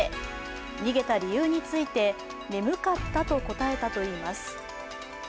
逃げた理由について、眠かったと答えたといいます。